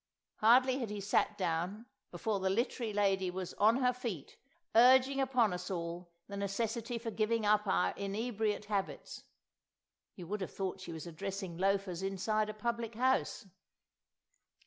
Hardly had he sat down before the Literary Lady was on her feet urging upon us all the necessity for giving up our inebriate habits! You would have thought she was addressing loafers inside a public house.